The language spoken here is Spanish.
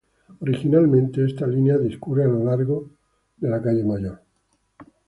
Originalmente, esta línea discurría a lo largo de la Queen Street.